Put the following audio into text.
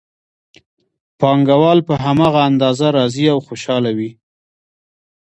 پانګوال په هماغه اندازه راضي او خوشحاله وي